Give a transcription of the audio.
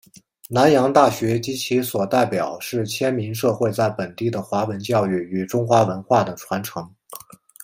南洋大学及其所代表是迁民社会在本地的华文教育与中华文化的传承。